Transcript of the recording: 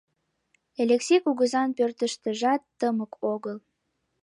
Элексей кугызан пӧртыштыжат тымык огыл.